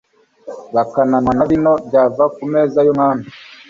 bakananywa na vino byavaga ku meza y'umwami